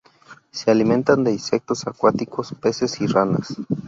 Se alimentan de insectos acuáticos, peces y ranas.